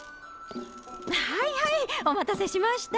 はいはいお待たせしました。